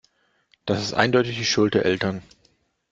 Das ist eindeutig die Schuld der Eltern.